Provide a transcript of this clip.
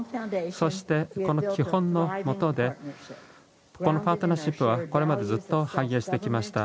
そして、この基本のもとでこのパートナーシップはこれまでずっと繁栄してきました。